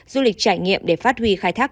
du lịch trải nghiệm để phát huy khai thác